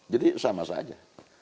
jadi sama saja